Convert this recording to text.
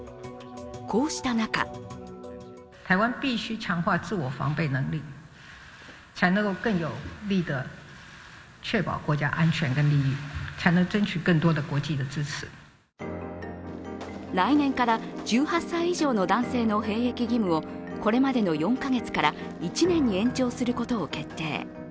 こうした中来年から１８歳以上の男性の兵役義務をこれまでの４か月から１年に延長することを決定。